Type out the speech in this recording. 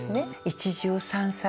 一汁三菜。